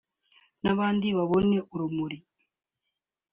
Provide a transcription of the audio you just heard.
n’abandi babona urumuri